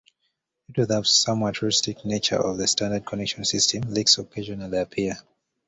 Due to the somewhat rustic nature of this standard connection system, leaks occasionally appear.